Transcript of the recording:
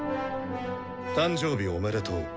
誕生日おめでとう。